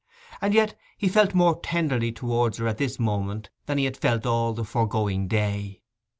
And yet he felt more tenderly towards her at this moment than he had felt all the foregoing day.